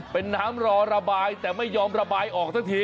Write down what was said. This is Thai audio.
เป็นน้ำรอระบายแต่ไม่ยอมระบายออกทั้งที